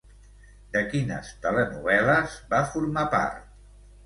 De quines telenovel·les va formar part?